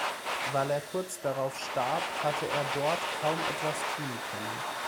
Weil er kurz darauf starb, hatte er dort kaum etwas tun können.